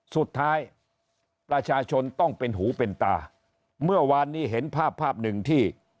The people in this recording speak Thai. สุดท้ายประชาชนต้องเป็นหูเป็นตาเมื่อวานนี้เห็นภาพภาพหนึ่งที่